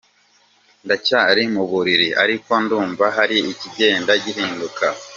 Ndacyari mu buriri ariko ndumva hari ikigenda gihinduka.